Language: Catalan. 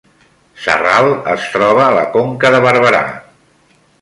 Sarral es troba a la Conca de Barberà